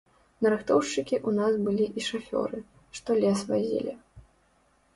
Нарыхтоўшчыкі ў нас былі і шафёры, што лес вазілі.